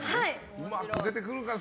うまく出てくるかな。